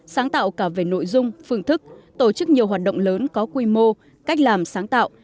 sáng tạo cả về nội dung phương thức tổ chức nhiều hoạt động lớn có quy mô cách làm sáng tạo